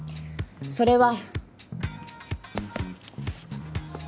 それは。